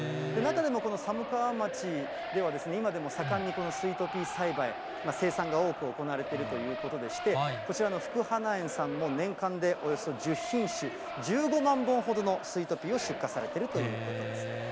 中でもこの寒川町では、今でも盛んにスイートピー栽培、生産が多く行われているということでして、こちらの福花園さんも、年間でおよそ１０品種、１５万本ほどのスイートピーを出荷されているということです。